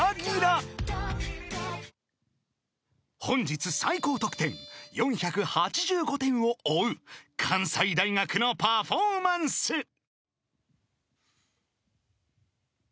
［本日最高得点４８５点を追う関西大学のパフォーマンス］